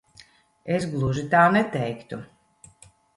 Es gluži tā neteiktu.